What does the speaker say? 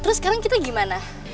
terus sekarang kita gimana